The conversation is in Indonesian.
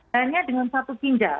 hanya dengan satu ginjal